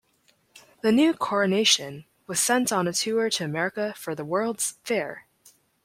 The new "Coronation" was sent on a tour to America for the World's fair.